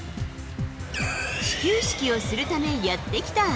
始球式をするためやって来た。